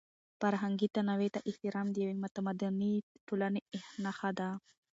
فرهنګي تنوع ته احترام د یوې متمدنې ټولنې نښه ده.